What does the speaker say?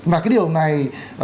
mà cái điều này